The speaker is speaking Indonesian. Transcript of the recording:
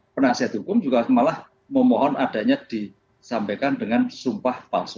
penasihat hukum juga malah memohon adanya disampaikan dengan sumpah palsu